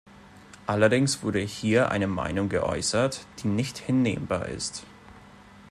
Allerdings wurde hier eine Meinung geäußert, die nicht hinnehmbar ist.